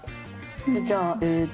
じゃあえっと